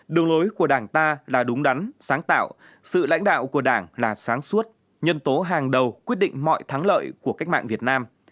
đường lối của đảng ta là đúng đắn sáng tạo sự lãnh đạo của đảng là sáng suốt nhân tố hàng đầu quyết định mọi thắng lợi của cách mạng việt nam